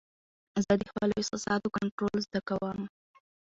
زه د خپلو احساساتو کنټرول زده کوم.